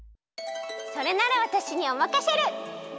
それならわたしにおまかシェル。